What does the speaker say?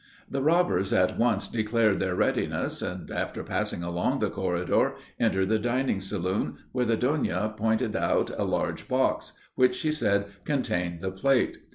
The robbers at once declared their readiness, and, after passing along the corridor, entered the dining saloon, where the Donna pointed out a large box, which, she said, contained the plate.